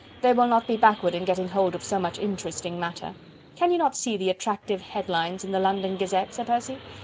They will not be backward in getting hold of so much interesting matter.... Can you not see the attractive headlines in 'The London Gazette,' Sir Percy?